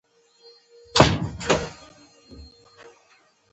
کلي د افغانستان د اقتصاد یوه برخه ده.